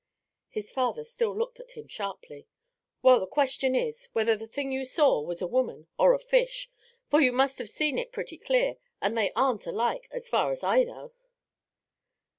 His father still looked at him sharply. "Well, the question is, whether the thing you saw was a woman or a fish, for you must have seen it pretty clear, and they aren't alike, as far as I know."